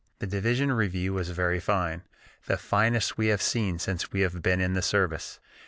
The division review was very fine, the finest we have seen since we have been in the service.